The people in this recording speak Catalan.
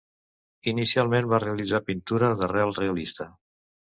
Inicialment va realitzar pintura d'arrel realista.